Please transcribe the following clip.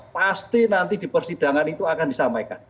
pasti nanti di persidangan itu akan disampaikan